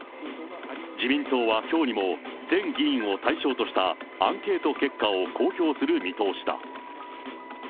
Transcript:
自民党はきょうにも全議員を対象としたアンケート結果を公表する見通しだ。